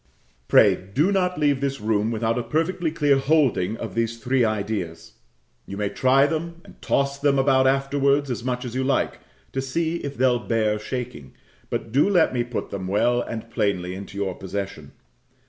Pray, do not leave this room without a perfectly clear holding of these three ideas. You may try them, and toss them about afterwards, as much as you like, to see if they'll bear shaking; but do let me put them well and plainly into your possession.